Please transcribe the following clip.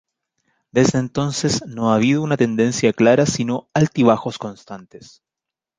Desde entonces no ha habido una tendencia clara sino altibajos constantes.